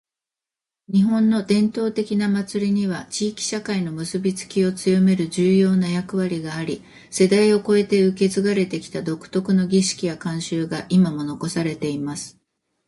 •「日本の伝統的な祭りには、地域社会の結びつきを強める重要な役割があり、世代を超えて受け継がれてきた独特の儀式や慣習が今も残されています。」